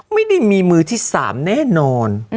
ไม่ได้มีมือที่๓แน่นอน